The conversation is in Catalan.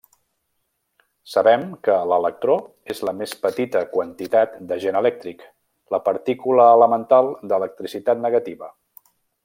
Sabem que l'electró és la més petita quantitat d'agent elèctric, la partícula elemental d'electricitat negativa.